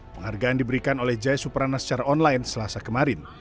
penghargaan diberikan oleh jaya suprana secara online selasa kemarin